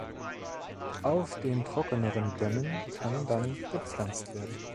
Auf den trockeneren Dämmen kann dann gepflanzt werden.